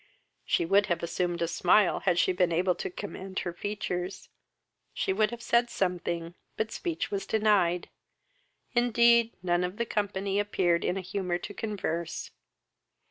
She would have assumed a smile had she been able to command her features. She would have said something, but speech was denied. Indeed, non of the company appeared in a humour to converse.